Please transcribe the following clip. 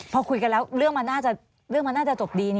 พอคุยกันแล้วเรื่องเก่าหน้าจะจบดี